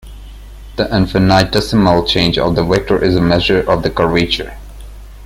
The infinitesimal change of the vector is a measure of the curvature.